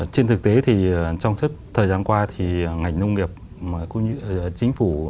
trên thực tế thì trong suốt thời gian qua thì ngành nông nghiệp cũng như chính phủ